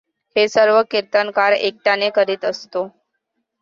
हे सर्व कीर्तनकार एकट्याने करीत असतो.